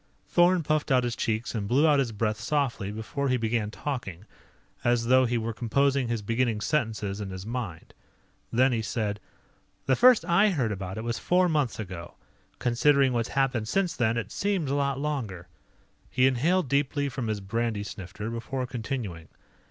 Thorn puffed out his cheeks and blew out his breath softly before he began talking, as though he were composing his beginning sentences in his mind. Then he said: "The first I heard about it was four months ago. Considering what's happened since then, it seems a lot longer." He inhaled deeply from his brandy snifter before continuing.